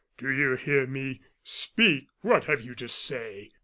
Do you hear me? Speak! what have you to say?"